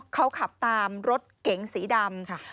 เขาขับตามรถเก๋งสีดำ